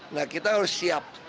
nah kita harus siap